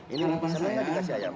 ini misalnya dikasih ayam